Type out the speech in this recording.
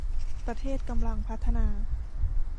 ประเทศกำลังพัฒนา